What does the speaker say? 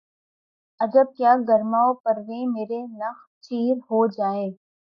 عجب کیا گر مہ و پرویں مرے نخچیر ہو جائیں